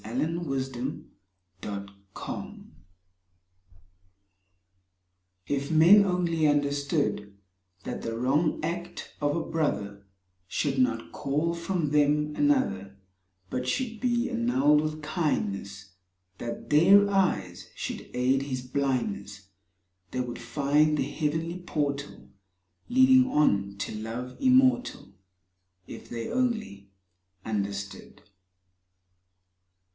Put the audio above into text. If men only understood If men only understood That the wrong act of a Brother Should not call from them another, But should be annulled with kindness, That their eyes should aid his blindness, They would find the Heavenly Portal Leading on to Love immortal— If they only understood.